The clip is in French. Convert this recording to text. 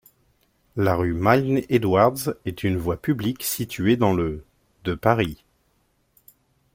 La rue Milne-Edwards est une voie publique située dans le de Paris.